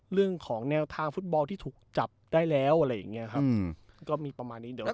เรื่องของแนวทางฟุตบอลที่ถูกจับได้แล้วอะไรอย่างนี้ครับก็มีประมาณนี้เดี๋ยว